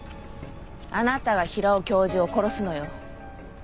あなたが平尾教授を殺すのよ。